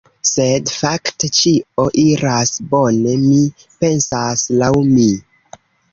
Sed fakte, ĉio iras bone, mi pensas, laŭ mi.